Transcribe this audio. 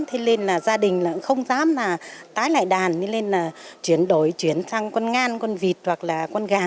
thế nên gia đình không dám tái lại đàn nên chuyển đổi sang con ngan con vịt hoặc con gà